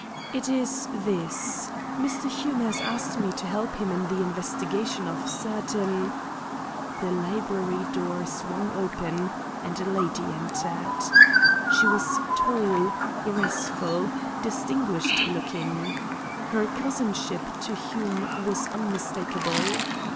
"It is this. Mr. Hume has asked me to help him in the investigation of certain " The library door swung open, and a lady entered. She was tall, graceful, distinguished looking. Her cousinship to Hume was unmistakable.